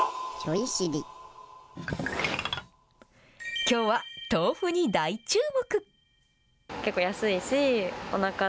きょうは豆腐に大注目。